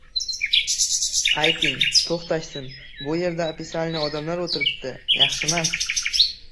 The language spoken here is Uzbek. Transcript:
— Ayting! To‘xtatsin! Bu yerda opisalniy odamlar o‘tiribdi, yaxshimas!